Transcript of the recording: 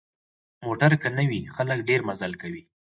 موټر که نه وي، خلک ډېر مزل کوي.